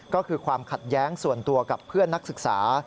ก็คือความขัดแย้งส่วนตัวกับเพื่อนนักศึกษา